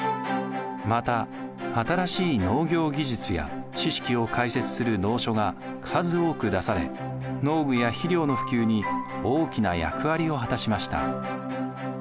また新しい農業技術や知識を解説する農書が数多く出され農具や肥料の普及に大きな役割を果たしました。